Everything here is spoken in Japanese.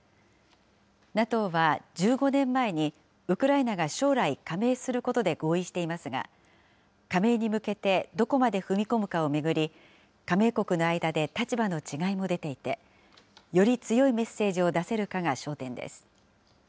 ＮＡＴＯは１５年前に、ウクライナが将来加盟することで合意していますが、加盟に向けてどこまで踏み込むかを巡り、加盟国の間で立場の違いも出ていて、より強いメッセージを出せるかが焦点です。